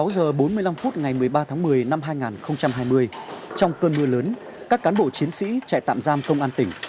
sáu giờ bốn mươi năm phút ngày một mươi ba tháng một mươi năm hai nghìn hai mươi trong cơn mưa lớn các cán bộ chiến sĩ trại tạm giam công an tỉnh